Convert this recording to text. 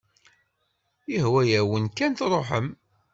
Ihwa-yawen kan truḥem.